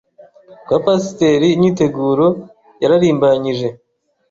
Kwa Pasiteri imyiteguro yararimbanyije